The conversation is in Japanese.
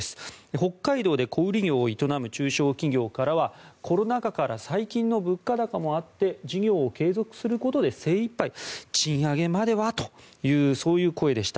北海道で小売業を営む中小企業からはコロナ禍から最近の物価高もあって事業を継続することで精いっぱい賃上げまではという声でした。